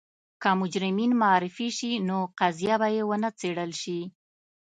که مجرمین معرفي شي نو قضیه به یې ونه څېړل شي.